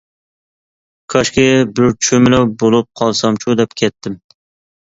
كاشكى بىر چۈمۈلە بولۇپ قالسامچۇ دەپ كەتتىم.